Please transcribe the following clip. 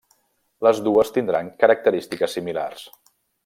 Les dues tindran característiques similars.